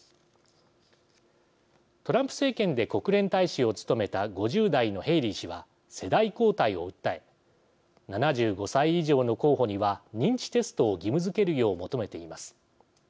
トランプ政権で国連大使を務めた５０代のヘイリー氏は世代交代を訴え７５歳以上の候補には認知テストを義務づけるよう求めています。